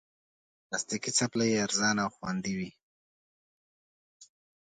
پلاستيکي چپلی ارزانه او خوندې وي.